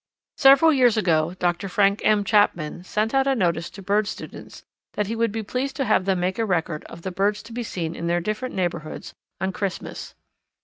Several years ago Dr. Frank M. Chapman sent out a notice to bird students that he would be pleased to have them make a record of the birds to be seen in their different neighbourhoods on Christmas.